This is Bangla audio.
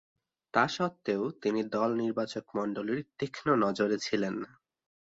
তাসত্ত্বেও তিনি দল নির্বাচকমণ্ডলীর তীক্ষ্ণ নজরে ছিলেন।